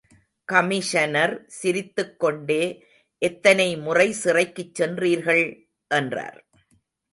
Commissioner, சிரித்துக் கொண்டே எத்தனை முறை சிறைக்குச் சென்றிருக்கிறீர்கள்? என்றார்.